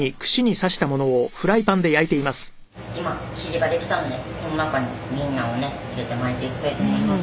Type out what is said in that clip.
「今生地ができたのでこの中にウィンナーをね入れて巻いていきたいと思います」